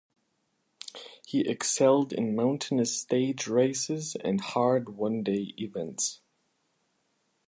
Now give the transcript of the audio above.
He excelled in mountainous stage races and hard one-day events.